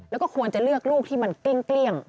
แล้วก็ควรจะเลือกลูกที่มันเกลี้ยง